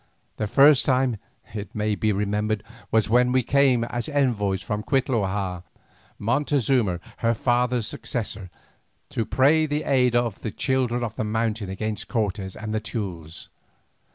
The first time, it may be remembered, was when we came as envoys from Cuitlahua, Montezuma her father's successor, to pray the aid of the children of the mountain against Cortes and the Teules.